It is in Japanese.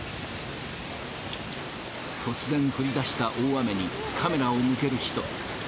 突然降りだした大雨にカメラを向ける人。